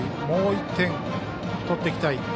もう１点取っていきたい